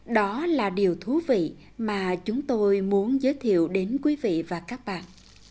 đó là điều thú vị mà chúng tôi muốn giới thiệu đến quý vị và các bạn